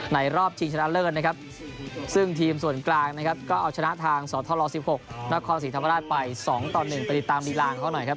รอบชิงชนะเลิศนะครับซึ่งทีมส่วนกลางนะครับก็เอาชนะทางสธร๑๖นครศรีธรรมราชไป๒ต่อ๑ไปติดตามลีลางเขาหน่อยครับ